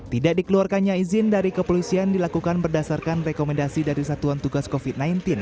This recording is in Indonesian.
tidak dikeluarkannya izin dari kepolisian dilakukan berdasarkan rekomendasi dari satuan tugas covid sembilan belas